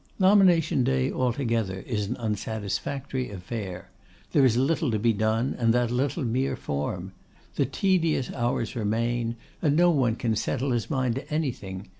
Nomination day altogether is an unsatisfactory affair. There is little to be done, and that little mere form. The tedious hours remain, and no one can settle his mind to anything.